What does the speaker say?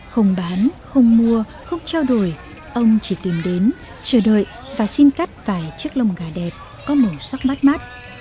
không bán không mua không trao đổi ông chỉ tìm đến chờ đợi và xin cắt vài chiếc lông gà đẹp có màu sắc mát mắt